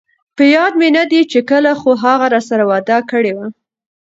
په ياد مې ندي چې کله، خو هغه راسره وعده کړي وه